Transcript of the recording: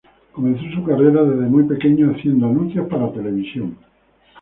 Comenzó su carrera desde muy pequeño haciendo anuncios para televisión.